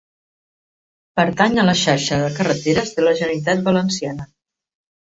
Pertany a la xarxa de carreteres de la Generalitat Valenciana.